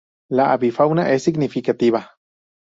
La avifauna es significativa.